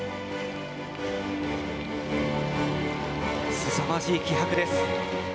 すさまじい気迫です。